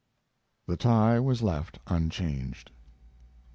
The tie was left unchanged.